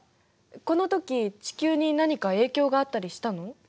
このとき地球に何か影響があったりしたの？